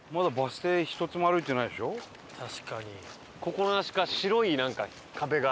心なしか白い壁が。